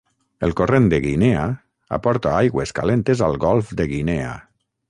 El Corrent de Guinea aporta aigües calentes al Golf de Guinea.